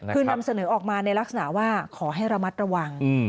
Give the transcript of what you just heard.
คือนำเสนอออกมาในลักษณะว่าขอให้ระมัดระวัง